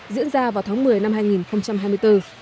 diễn ra vào tháng một mươi năm hai nghìn hai mươi bốn